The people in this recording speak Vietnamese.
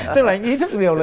tức là anh ý thức điều là